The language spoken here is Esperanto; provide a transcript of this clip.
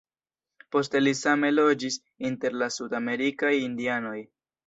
Poste li same loĝis inter la sud-amerikaj indianoj.